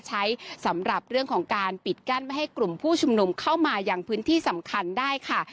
ใช้สำหรับเรื่องของการปิดกั้นไม่ให้กลุ่มผู้ชุมนุมเข้ามาอย่างพื้นที่สำคัญได้ค่ะ